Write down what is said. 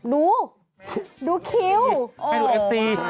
ดูดูคิ้วไปดูเอฟซี